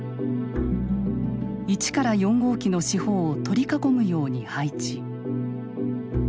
１から４号機の四方を取り囲むように配置。